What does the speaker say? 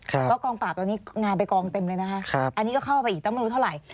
เพราะกองปราบตอนนี้งานไปกองเต็มเลยนะคะอันนี้ก็เข้าไปอีกตั้งไม่รู้เท่าไหร่